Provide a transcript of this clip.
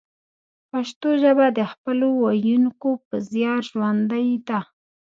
پښتو ژبه د خپلو ویونکو په زیار ژوندۍ ده